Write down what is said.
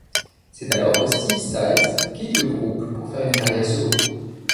C'est alors que Steve Styles quitte le groupe pour faire une carrière solo.